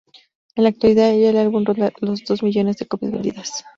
En la actualidad, ya el álbum ronda los dos millones de copias vendidas.